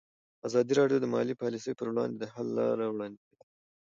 ازادي راډیو د مالي پالیسي پر وړاندې د حل لارې وړاندې کړي.